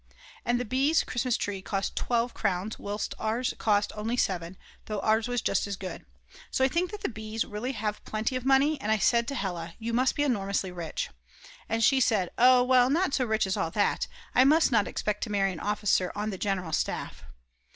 _ And the Bs. Christmas tree cost 12 crowns whilst ours cost only 7, though ours was just as good. So I think that the Bs. really have plenty of money, and I said to Hella: "You must be enormously rich." And she said: "Oh well, not so rich as all that; I must not expect to marry an officer on the general staff.